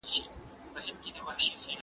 د غم په وخت کې تسلیت ورکړئ.